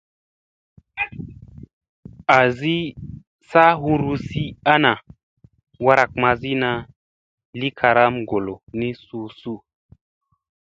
Azi saa huruzi ni ana warak mazina li karam ngolla ni suu suu.